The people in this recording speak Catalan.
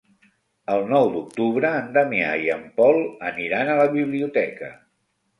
El nou d'octubre en Damià i en Pol aniran a la biblioteca.